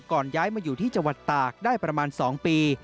ย้ายมาอยู่ที่จังหวัดตากได้ประมาณ๒ปี